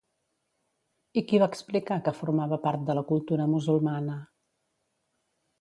I qui va explicar que formava part de la cultura musulmana?